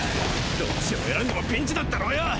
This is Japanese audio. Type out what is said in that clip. どっちを選んでもピンチだったろよ！